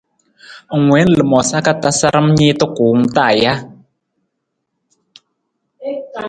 Ng wiin lamoosa ka tasaram niita kuwung taa ja?